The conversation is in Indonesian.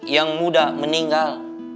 yang muda meninggal